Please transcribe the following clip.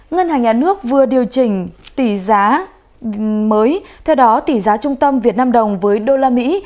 ngân hàng nhà nước vừa điều chỉnh tỷ giá mới theo đó tỷ giá trung tâm việt nam đồng với đô la mỹ